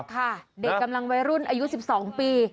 เด็กกำลังวัยรุ่นอายุ๑๒ปี